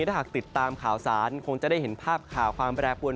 ถ้าหากติดตามข่าวสารคงจะได้เห็นภาพข่าวความแปรปวน